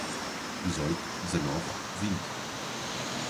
Dezoito, dezenove, vinte